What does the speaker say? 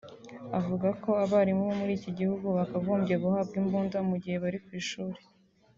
avuga ko abarimu bo muri iki gihugu bakagombye guhabwa imbunda mu gihe bari ku ishuli